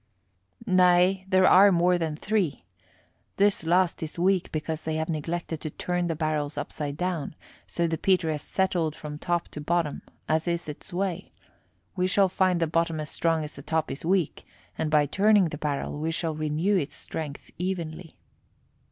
"Nay, there are more than three. This last is weak because they have neglected to turn the barrels upside down, so the petre has settled from top to bottom, as is its way. We shall find the bottom as strong as the top is weak, and by turning the barrel we shall renew its strength evenly."